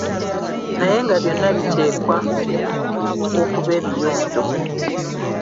Naye nga byonna biteekwa okuba ebiyonjo.